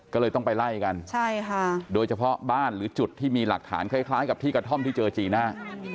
ก็เลยต้องไปไล่กันโดยเฉพาะบ้านหรือจุดที่มีหลักฐานคล้ายกับที่กระท่อมที่เจอจีน่า